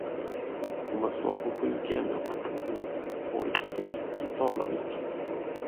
Hon var svag och sjuk ännu, och hon orkade icke tala mycket.